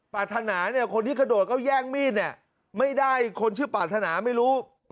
ปรารถนาเนี่ยคนที่กระโดดก็แย่งมีดเนี่ยไม่ได้คนชื่อปรารถนาไม่รู้